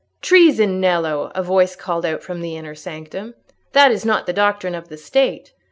"Treason, Nello!" a voice called out from the inner sanctum; "that is not the doctrine of the State.